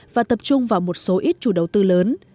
và tập trung vào một số ít chủ đầu tư lớn